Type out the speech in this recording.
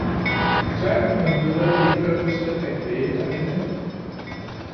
Erklæringen må endvidere ikke være udstedt af en læge, der er inhabil.